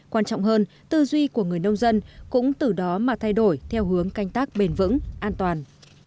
quan trọng hơn tư duy của người nông dân cũng từ đó mà thay đổi theo hướng canh tác bền vững an toàn